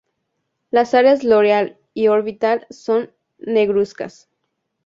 Las áreas loreal y orbital son negruzcas.